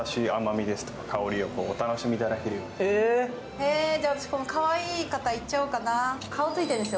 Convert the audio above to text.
へえ、私、この可愛い方いっちゃおうかな、顔ついてるんですよ。